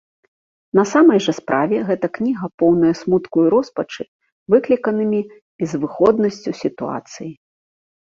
На самай жа справе гэта кніга поўная смутку і роспачы, выкліканымі безвыходнасцю сітуацыі.